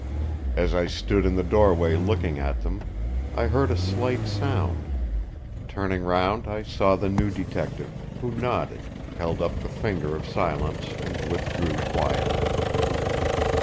As I stood in the doorway looking at them I heard a slight sound; turning round I saw the new detective, who nodded, held up the finger of silence and withdrew quietly.